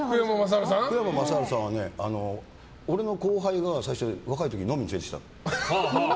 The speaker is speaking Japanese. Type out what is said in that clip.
福山雅治さんは俺の後輩が、若い時に飲みにつれてきたのよ。